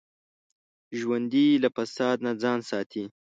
ژوندي له فساد نه ځان ساتي